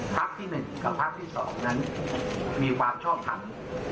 พักที่หนึ่งกับพักที่สองนั้นมีความชอบถัง